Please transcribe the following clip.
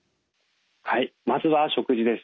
まずは食事です。